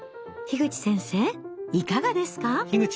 口先生いかがですか？